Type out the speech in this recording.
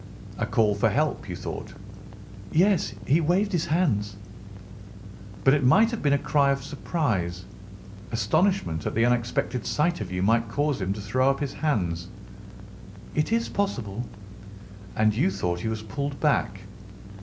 "A call for help, you thought?" "Yes. He waved his hands." "But it might have been a cry of surprise. Astonishment at the unexpected sight of you might cause him to throw up his hands?" "It is possible." "And you thought he was pulled back?"